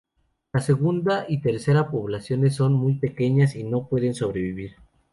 La segunda y tercera poblaciones son muy pequeñas y no pueden sobrevivir.